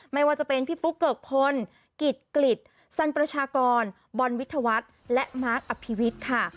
ไม่ว่าจะเป็นพี่ปุ๊กเกิกพลกิจกฤษสันประชากรบอลวิทยาวัฒน์และมาร์คอภิวิตค่ะ